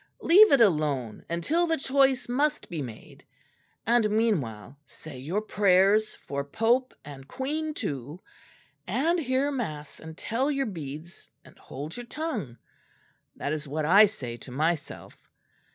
Leave it alone until the choice must be made; and meanwhile say your prayers for Pope and Queen too, and hear mass and tell your beads and hold your tongue: that is what I say to myself.